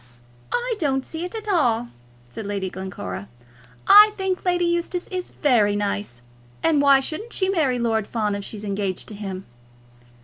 "I don't see it at all," said Lady Glencora. "I think Lady Eustace is very nice. And why shouldn't she marry Lord Fawn if she's engaged to him?"